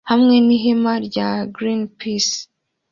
hamwe nihema rya Greenpeace